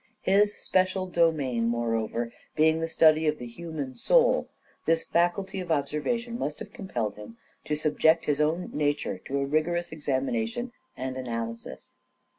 His special domain, moreover, being the study of the human soul, this faculty of observation must have compelled him to subject his own nature to a rigorous examination and analysis.